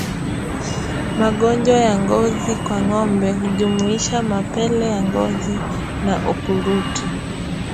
Magonjwa ya ngozi kwa ngombe hujumuisha mapele ya ngozi na ukurutu